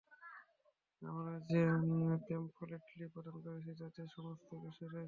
আমরা যে প্যামফলেটটি প্রদান করেছি তাতে সমস্ত বিবরণ রয়েছে।